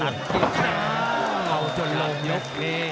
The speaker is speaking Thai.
ต้องเอาจนลงยุค